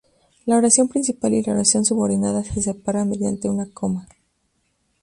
La oración principal y la oración subordinada se separan mediante una coma.